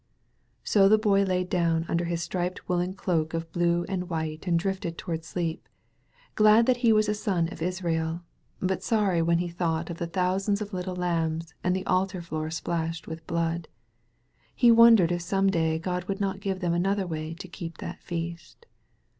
So the Boy lay down under his striped v«)ollen cloak of blue and white and drifted toward sleep, ^ad that he was a son of Israel, but sorry when he thought of the thousands of little lambs and the altar floor splashed with red. He wondered if some day Grod would not give them another way to keep that feast.